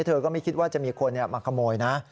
เธอก็ไม่คิดว่าจะมีคนมาขโมยนะ